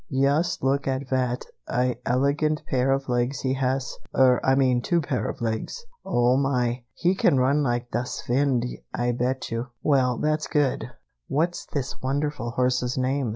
Yust look at vat a elegant pair of legs he has, er, I mean two pair of legs! Oh, my! he can run like das vind, Ay bet you!" "Well, that's good. What's this wonderful horse's name?"